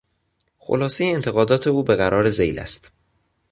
خلاصهی انتقادات او به قرار ذیل است.